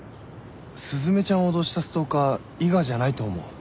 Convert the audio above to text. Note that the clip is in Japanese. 雀ちゃんを脅したストーカー伊賀じゃないと思う。